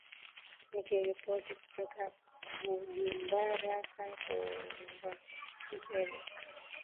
nikiripoti kutoka bujumbura hasan ruvakuki eric